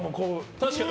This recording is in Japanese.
確かに。